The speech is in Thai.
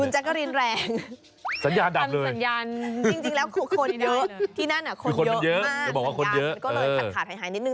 คุณแจ๊กกะรีนแรงจริงแล้วคนเยอะที่นั่นคนเยอะมากสัญญาณก็เลยขัดขาดหายนิดนึง